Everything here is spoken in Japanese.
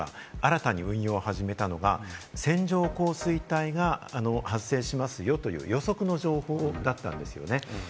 今回、気象庁が新たに運用を始めたのが、線状降水帯が発生しますよという予測の情報だったんですよね。